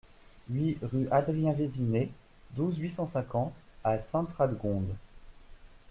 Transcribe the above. huit rue Adrien Vézinhet, douze, huit cent cinquante à Sainte-Radegonde